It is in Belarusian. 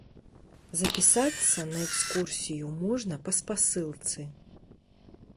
Запісацца на экскурсію можна па спасылцы.